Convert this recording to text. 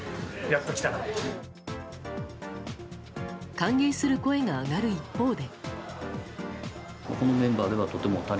歓迎する声が上がる一方で。